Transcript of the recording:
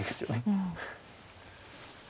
うん。